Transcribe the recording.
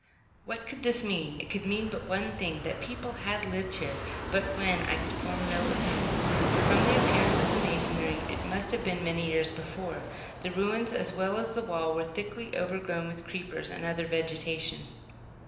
What could this mean? It could mean but one thing; that people had lived here. But when, I could form no opinion; but from the appearance of the masonry it must have been many years before. The ruins, as well as the wall, were thickly overgrown with creepers and other vegetation.